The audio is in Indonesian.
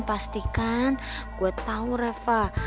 pastikan gue tau reva